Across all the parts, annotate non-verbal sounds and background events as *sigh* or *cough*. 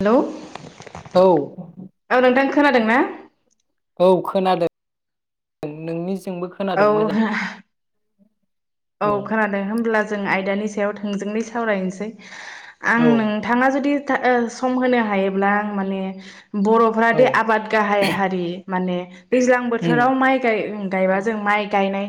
हेल' औ । खोनादोंना? औ खोनादों नोंनि नोंबो खोनादों मोजाङै? औ औ खोनादों होमब्ला जों आयदानि सायाव थोंजोङै सावरायनोसै आं औ नोंथाङा जुदि था ओ सम होनो हायोब्ला आं माने बर'फ्रा औ बेे आबाद गाहाय हारि। माने दैज्लां उम बोथोराव माइ गाय ओं गायबा जों माइ गायनाय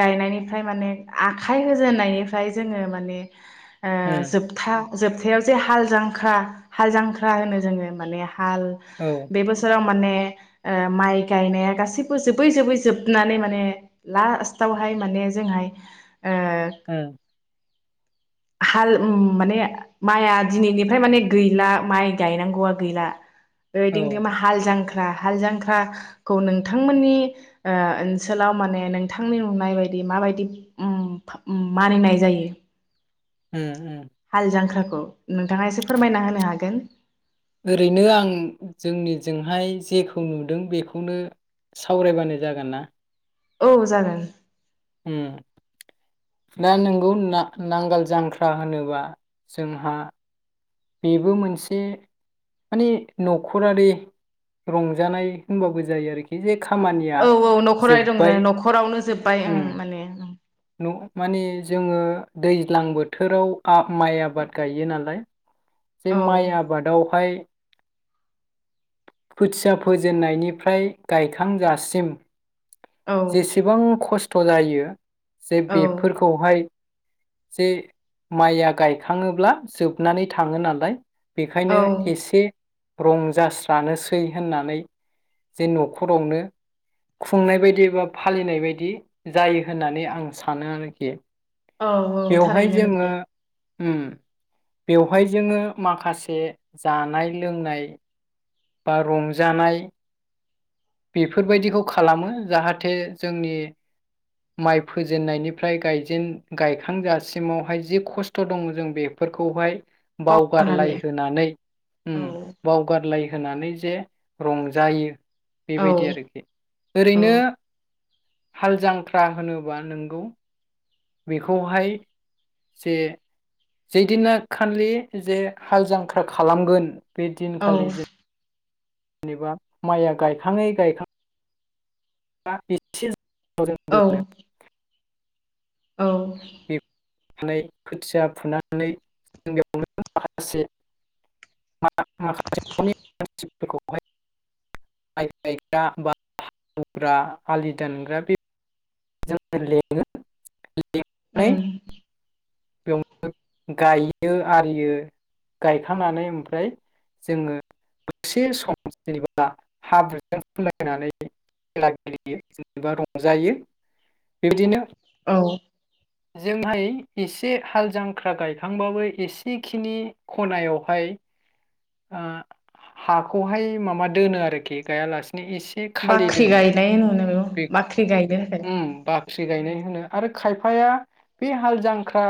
गायनायनिफ्राय माने आखाइ होजेननायनिफ्राय जोङो माने ओ उम जोबथा जोबथायाव जे हाल जांख्रा हाल जांख्रा होनो जोङो माने हाल औ बे बोसोराव माने ओ माइ गायनाया गासैबो जोबै जोबै जोबनानै माने लास्टावहाय माने जोंहाय ओ ओ हाल माने माइआ दिनैनिफ्राय माने गैला माइ गायनांगौआ गैला औ बेबायदिनो हालजांख्रा हालजांख्राखौ नोंथांमोननि ओ ओनसोलाव माने नोंथांनि नुनाय बायदि माबायदि मानिनाय जायो। ओम ओम हाल जांख्राखौ नोंथाङा एसे फोरमायना होनो हागोन। ओरैनो आं जोंनिजोंहाय जेखौ नुदों बेखौनो सावरायबानो जागोन ना? औ जागोन। उम दा नोंगौ ना-नांगाल जांख्रा होनोबा जोंहा बेबो मोनसे माने नखरारि रंजानाय होनबाबो जायो आरोखि जे खामानिया औ औ नखराय दं जोब्बाय न'खरावनो जोबबाय ओं उम माने उम न माने जोङो दैज्लां बोथोराव आ माइ आबाद गायो नालाय। जे औ माइ आबादावहाय खोथिया फोजेननायनिफ्राय गायखांजासिम औ जेसेबां खस थ' जायो जे बेफोरखौहाय जे माइया गायखाङोब्ला जोबनानै थाङो नालाय औ बेखायनो एसे रंजास्रानोसै होननानै जे न'खरावनो खुंनाय बायदि एबा फालिनाय बायदि जायो होननानै आं सानो आरोखि औ औ बेवहाय थारैनो जोङो नोंगौ उम बेवहाय जोङो माखासे जानाय लोंनाय बा रंजानाय बेफोरबायदिखौ खालामो जाहाथे जोंनि माइ फोजेननायनिफ्राय गायजेन गायखांजासिमावहाय जि खस्थ' दङ जों बेफोरखौहाय बावगारलाय बावगारनानै होनानै उम औ बावगारलाय होनानै जे रंजायो औ बेबायदि आरोखि औ ओरैनो हाल जांख्रा होनोबा नोंगौ बेखौहाय जे जैदिना खालि जे हाल जांख्रा खालामगोन बे औ दिनखालि जों जेनेबा माइया गायखाङै गायखां बा बे *unintelligible* औ *unintelligible* औ हानाय खोथिया *unintelligible* आलि दानग्रा बे जों लेङो उम बेयाव गायो आरियो गायखांनानै ओमफ्राय जोङो दसे सम जेनबा हाब्रुजों फोनलायनानै खेला गेलेयो जेनेबा रंजायो बिबदिनो औ जोंहाय एसे हाल जांख्रा गायखांबाबो एसेखिनि खनायावहाय ओ हाखौहाय माबा दोनो आरोखि गायाला नो एसे खालि बाख्रि दोनो। गायनाय होनो बेखौ बे बाख्रि गायनो थाखाय उम बाख्रि गायनाय होनो आरो खाय फाया बे हाल जांख्रा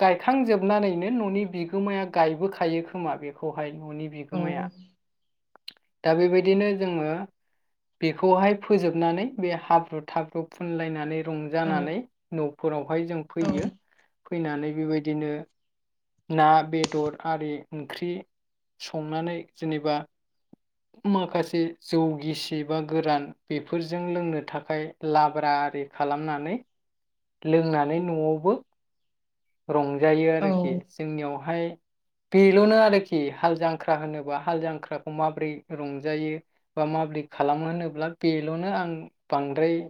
गायखांजोबनानैनो न'नि बिगोमाया गायबोखायो खोमा बेखौहाय। न'नि औ बिगोमाया दा बेबायदिनो जोङो बेखौहाय फोजोबनानै बे हाब्रु थाब्रु फुनलायनानै औ रंजानानै न' फोराव हाय जों औ फैयो फैनानै बेबायदिनो ना बेदर आरि ओंख्रि संनानै जेनेबा माखासे जौ गिसि बा गोरान बेफोरजों लोंनो थाखाय लाब्रा आरि खालामनानै लोंनानै न'आवबो रंजायो औ आरोखि जोंनियावहाय बेल'नो आरोखि हाल जांख्रा होनोब्ला हाल जांख्राखौ माबोरै रंजायो बा माबोरै खालामो होनोब्ला बेल'नो आं बांद्राय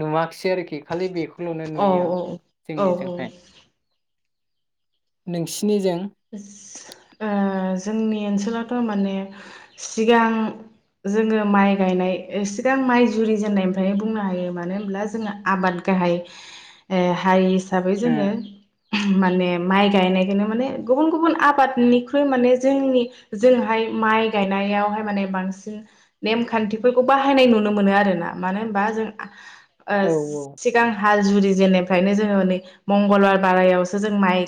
नुवाखिसै आरोखि खालि बे खौल'नो औ नुयो आं औ औ औ जोंनिजोंहाय। नोंसि *unintelligible* ओ जोंनि ओनसोलावथ' माने सिगां जोङो माइ गायनाय सिगां माइ जुरि जेननायनिफ्राय बुंनो हायो मानो होनब्ला जोङो आबाद गाहाय हारि हिसाबै जोङो ओ माने माइ गायनायखोनो माने गुबुन गुबुन आबादनिख्रुइ माने जोंनि जोंहाय माइ गायनायावहाय माने बांसिन नेमखान्थिफोरखौ बाहायनाय नुनो मोनो आरोना मानो होनबा जों ओ औ औ सिगां हाल जुरि जेननिफ्रायनो जोङो नै मंगलबार बारायावसो जों ओम माइ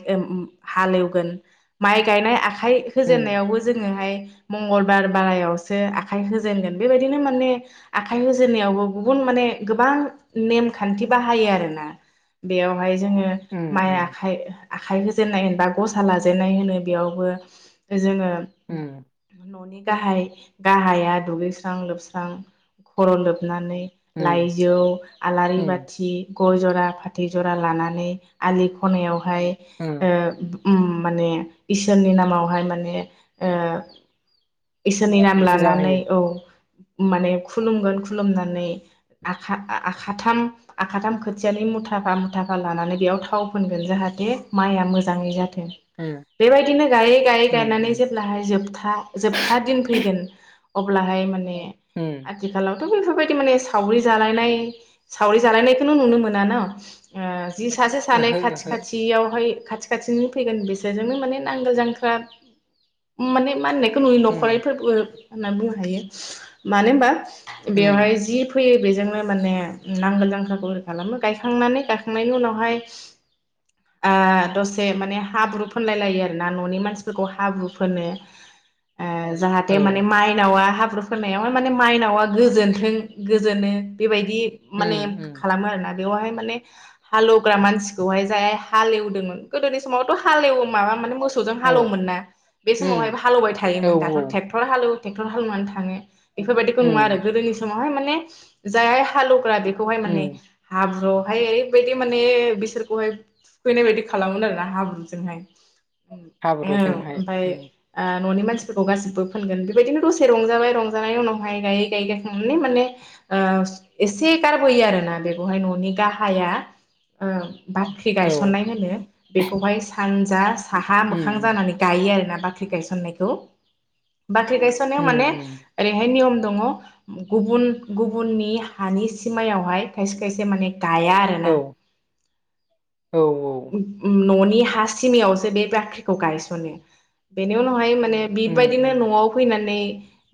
हालेव गोन माइ गायनाय आख आखाइ उम होजेननायावबो जोङोहाय मंगलबार बारायावसो आखाइ होजेनगोन बेबायदिनो माने आखाइ होजेननायावबो गुबुन माने गोबां नेमखान्थि बाहायो आरोना बेयावहाय। जोङो उम माइ उम आखाइ आखाइ होजेननाय होनबा गसा लाजेनाय होनो बेयावबो जोङो उम न'नि गाहाय गाहाया दुगैस्रां लोबस्रां खर' लोब लोबनानै उम लाइजौ, आलारि उम बाथि गय जरा, फाथै जरा लानानै आलि खनायाव ओमफाय उम ओ माने इसोरनि नामावहाय माने ओ इसोरनि नाम फुजा लानानै होयो औ माने खुलुमगोन खुलुमनानै आखा-आखाथाम आखाथाम खोथियानि मुथाफा मुथाफा लानानै बेयाव थाव फोनगोन जाहाथे माइया मोजाङै जाथ बेथो उम बेबायदिनो गायै गायै उम गायनानै उम जेब्लाहाय जोबथा जोबथा दिन फैगोन अब्लाहाय माने ने उम आथिखालाव दाथ' बेफोरबायदि माने सावरि जालायनाय सावरि जालायनायखौनो नुनो मोना न ओ जि सासे सानै ओहो खाथि ओहो खाथियावहाय खाथि खाथिनि फैगोन बिसोरजोंनो माने नांगोल जांख्रा माने मा होननाय जोंनि उम न'खरैफोरबो होनना बुंनो हायो मानो होनबा उम बेवहाय जि फैयो बे बेजोंनो माने नांगोल जांख्राखौ ओरै खालामो गायखांनानै गायखांनायनि उनावहाय ओ दसे माने हाब्रु फोनलाय लायो आरोना न'नि मानसिफोरखौ हाब्रु फोनो। ओ औ जाहाथे माने मायनावा हाब हाब्रु फोननायाव माने माइनावा गोजोनथों गोजोनो बेबायदि दि माने उम उम खालामो आरोना। बेयावहाय माने हालौग्रा मानसिखौहाय जाय हालेवदोंमोन गोदोनि समावथ' हाल एवो माबा माने मोसौ मोसौजों औ हालेवोमोन ना बे उम समावहायबो हालेवबाय औ थायोमोन दाथ' ट्रेक्टर हालेव टेक्टर हालुमान थानो बेफोरबायदिखौ उम नुवा आरो गोदोनि समाव बेवहाय माने जाय हाल हेवग्रा बे बेहाय उम माने हाब्रु हाय ओरैबायदि माने बिसोरखौहाय फैनाय बायदि खालामोनो आरोना हाब्रु जोंहाय औ हाब्रुजोंहाय ओमफाय उम ओ न'नि मनसि फोरखौ गासिबो फोनगोन बेबायदिनो दसे रंजाबाय रंजानायनि उनावहाय गायै गायै गायखांनानै माने ओ एसे गारबोयो आरोना बेखौहाय न'नि गाहाया ओ बाख्रि औ गायसननाय होनो बेखौहाय सानजा साहा मोखां उम जानानै गायो आरोना बाख्रि गायसननायखौ बाख्रि उम गायस'ननायाव माने उम ओरैहाय नियम दङ' गुबुन गुबुनि हानि सिमायावहाय खायसे खायसे माने गाया औ आरोना औ ओम न'नि नि हा सिमायाव जे बे बाख्रिखौ गायसनो बेनि उनावहाय माने उम बिबायदिनो उम न'आव फैनानै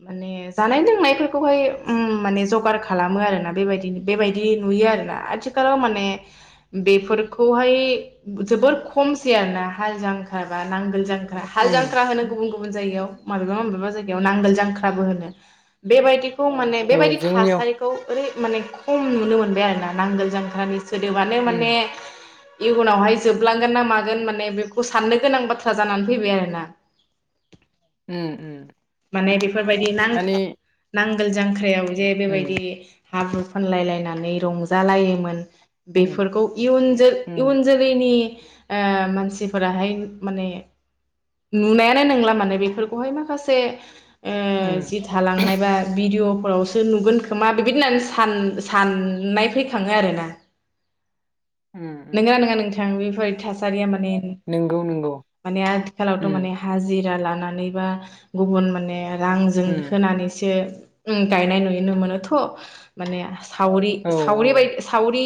माने जानाय लोंनायफोरखौहाय ओम माने जगार खालामो आरोना बेबायदिनो बेबायदि नुयो आरोना आथिखालाव माने बेफोरखौहाय जोबोर खमसै आरोना हाजिरा ओंखारबा नांग हाल जांख्रा हाल उम जांख्रा होनो गुबुन गुबुन जायगायाव माबेबा माबेबा जायगायाव नांगोल जांख्राबो होनो बेबायदि खौ माने औ बेबायदि जोंनियाव थासारिखौ ओरै माने खम नुनो मोनबाय आरोना नांगोल जांख्रानि गोदोबानो उम माने इयुनावहाय जोबलांगोन ना मागोन माने बेखौ साननो गोनां बाथ्रा जानानै फैबाय आरोना ओम ओम माने फोरबायदि नांखा नां गोल जांख्रायाव जे उम बेबायदि हाब्रु उम बेफोरखौ इयुन जोलै उम इयुन जोलैनि ओ मानसिफोराहाय माने नुनायानो नंला माने बेफोरखौहाय माखासे ओ उम जि थालांनाय बा भिडिअ औसो नुगोन खोमा बिबायदि होननानै सान सन साननाय फैखाङो आरो ना उम उम नोंथां बेफोरबादि थासारिया नंगौ नंगौ माने आथिखालावथ' उम माने हाजिरा ला लानानै बा गुबुन माने रांजों उम होनानैसो उम गायनाय नुनो मोनोथ' माने सावरि औ सावरि बायदि सावरि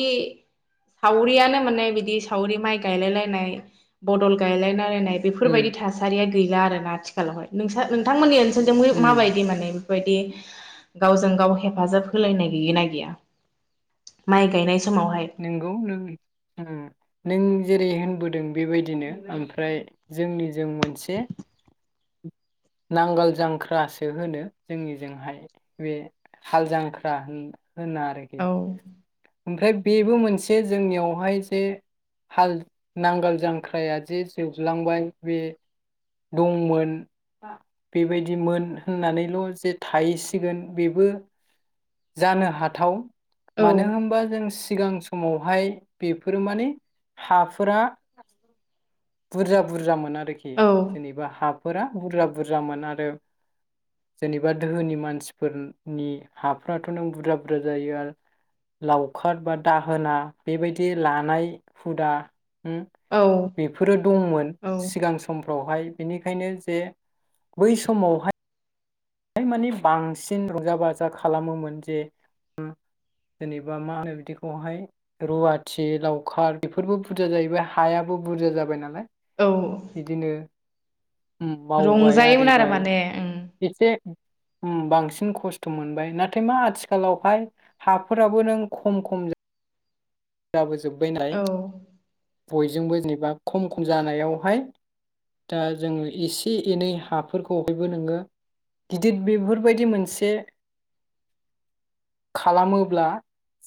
सावरियानो माने बिदि सावरि माइ गायलाय लायनाय बदल गायलाय लायनाय उम बेफोरबायदि थासारिया गैला आरो ना आथिखालावहाय नोंसा नोंथांमोननि ओन सोलाव उम माबायदि माने बेफोरबायदि गावजों गाव हेफाजाब होलायनाय गैगोना गैया माइ गायनाय समावहाय नोंगौ लोगो ओं नों जेरै होनबोदों बेबायदिनो ओमफ्राय जोंनिजों मोनसे नांगोल जांख्रासो होनो जोंनिजोंहाय बे हाल जांख्रा होन होना आरोखि औ ओमफ्राय बेबो मोनसे जोंनियावहाय जे हाल नांगोल जांख्राया जदि जोबलांबाय बे दंमोन बेबायदिमोन होननानैल' जे थाहैसिगोन बेबो जानो हाथाव औ मानो होम जों सिगां समावहाय बेफोरो माने हाफोरा बुरजा बुरजा मोन आरो आरोखि औ जेनेबा हा फोरा बुरजा बुरजामोन आरो जेनेबा दोहोनि मानसिफोरनि हाफोराथ' नों बुरजा बुरजा जायो आरो लावखार बा दाहोना बेबायदि लानाय हुदा उम औ बेफोरो दंमोन औ सिगां समफ्रावहाय बेनिखायनो जे बै समावहाय माने बांसिन रंजा बाजा खालामोमोन जे जेनेबा मा होनो बिदिखौहाय रुवाथि लावखार बेफोरबो बुरजा जाहैबाय हायाबो बुरजा जाबाय नालाय औ बिदिनो उम मावबाय रंजायोमोन आरो आरिबाय माने ओं एसे बांसिन खस्थ' मोनबाय नाथाय मा आथिखालावहाय हाफोराबो नों खम खम जा जाबो जोब बैनाय औ बयजोंबो जेनेबा खम खम जानायावहाय दा जोङो एसे एनै हाफोरखौहायबो नोङो गिदिर बेफोरबायदि मोनसे खालामोब्ला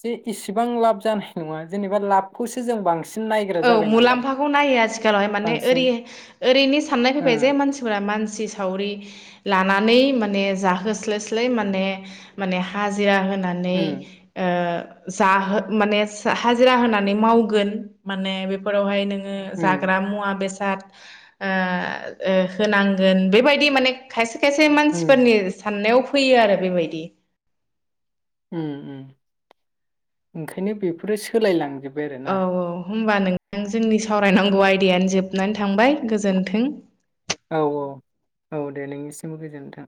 जे इसेबां लाब जानो नङा जेनेबा लाबखौसो जों बांसिन नायग्रा औ जाबाय नालाय मुलाम्फाखौ नायो आथिखालावहाय माने बांसिन ओरै ओरैनो साननाय ओ फैबाय जे मानसिफोरा मानसि सावरि लानानै माने जाहोस्लाय स्लाय माने माने हाजिरा होना नानै उम ओ जाहो माने हाजिरा होनानै मावगोन माने बेफोरावहाय नों उम जाग्रा मुआ बे गां ओ होनांगोन बेबायदि माने खायसे खायसे उम मानसिफोरनि साननायाव फैयो आरो बेबायदि ओंखायनो बेफोरो सोलायलांजोब औ बेआरोना औ होमबा नोंथां जोंनि सावरायनांगौ आयदायानो जोबनानै थांबाय गोजोन्थों औ औ औ दे नोंनिसिमबो गोजोन्थों